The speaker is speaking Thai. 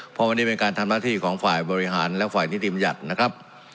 เพราะวันนี้เป็นการทำหน้าที่ของฝ่ายบริหารและฝ่ายนิติบัญญัตินะครับ